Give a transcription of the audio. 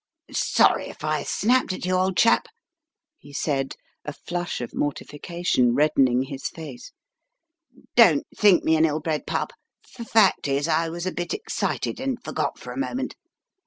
"Sorry I snapped at you, old chap," he said, a flush of mortification reddening his face. "Don't think me an ill bred pup. Fact is, I was a bit excited and forgot for a moment.